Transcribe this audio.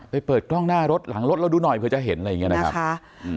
เปิดกล้องหน้ารถหลังรถเราดูหน่อยเผื่อจะเห็นอะไรอย่างเงี้นะครับค่ะอืม